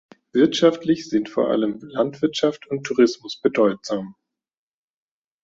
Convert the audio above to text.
Wirtschaftlich sind vor allem Landwirtschaft und Tourismus bedeutsam.